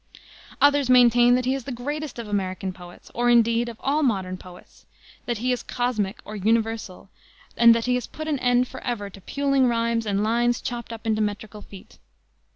Others maintain that he is the greatest of American poets, or, indeed, of all modern poets; that he is "cosmic," or universal, and that he has put an end forever to puling rhymes and lines chopped up into metrical feet.